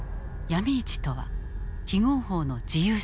ヤミ市とは非合法の自由市場。